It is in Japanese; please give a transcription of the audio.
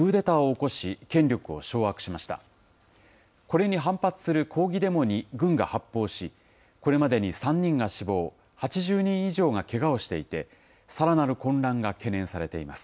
これに反発する抗議デモに軍が発砲し、これまでに３人が死亡、８０人以上がけがをしていて、さらなる混乱が懸念されています。